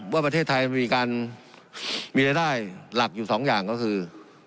ว่าประเทศไทยมีการมีรายได้หลักอยู่สองอย่างก็คือ